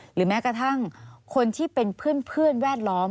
หรือแม้กระทั่งคนที่เป็นเพื่อนแวดล้อม